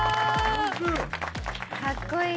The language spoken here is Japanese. かっこいい。